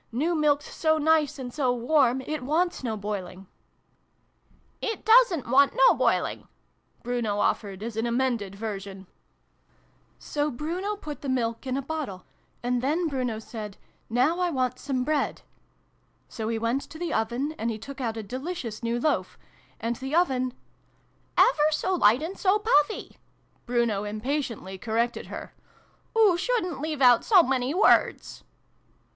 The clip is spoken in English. New Milk's so nice and so warm, it wants no boiling !':" It doesn't want no boiling," Bruno offered as an amended version. 222 SYLVIE AND BRUNO CONCLUDED. " So Bruno put the Milk in a bottle. And then Bruno said 'Now I want some Bread!' So he went to the Oven, and he took out a delicious new Loaf. And the Oven " ever so light and so puffy!" Bruno impatiently corrected her " Oo shouldn't leave out so many words